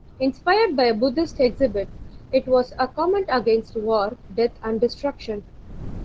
Inspired by a Buddhist exhibit, it was a comment against war, death and destruction.